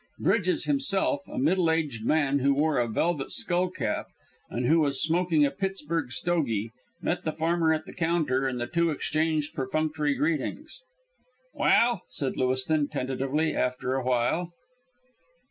Bridges himself, a middle aged man who wore a velvet skull cap and who was smoking a Pittsburg stogie, met the farmer at the counter and the two exchanged perfunctory greetings. "Well," said Lewiston, tentatively, after awhile.